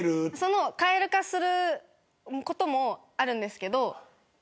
蛙化することもあるんですけど。